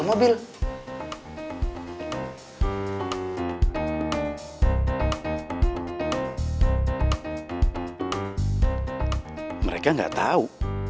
mereka gak tau